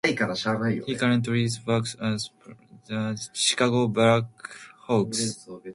He currently works as a pro scout for the Chicago Blackhawks.